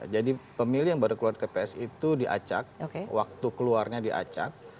jadi pemilih yang baru keluar dari tps itu diacak waktu keluarnya diacak